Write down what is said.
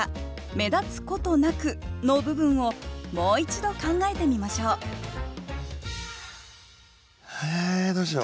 「目立つことなく」の部分をもう一度考えてみましょうええどうしよう。